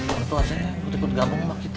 tentu asalnya ikut ikut gabung sama kita